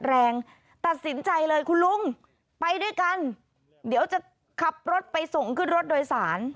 ตัดสินใจเลยคุณลุงไปด้วยกันเดี๋ยวจะขับรถไปส่งขึ้นรถโดยสาร